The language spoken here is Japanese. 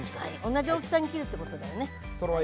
同じ大きさに切るってことだよね。